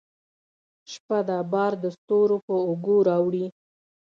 شپه ده بار دستورو په اوږو راوړي